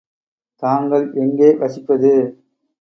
தாங்கள் எங்கே வசிப்பது?